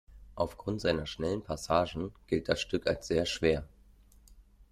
Aufgrund seiner schnellen Passagen gilt das Stück als sehr schwer.